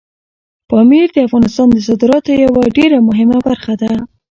پامیر د افغانستان د صادراتو یوه ډېره مهمه برخه ده.